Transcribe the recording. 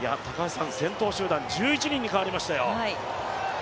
先頭集団、１１人に変わりましたよ。